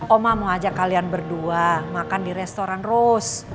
oma mau ajak kalian berdua makan di restoran rose